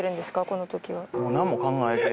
この時は。